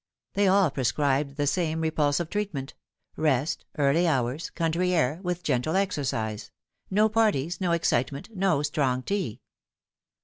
They all prescribed the same repulsive treatment rest, early hours, country air, with gentle exercise ; no parties, no excitement, no strong tea.